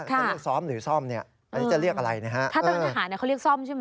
ถ้าเรื่องฐานะเขาเรียกซ้อมใช่ไหม